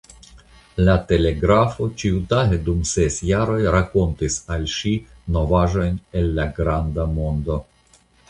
La telegrafo ĉiutage dum ses jaroj rakontis al ŝi novaĵojn el la granda mondo.